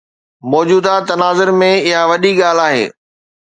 موجوده تناظر ۾ اها وڏي ڳالهه آهي.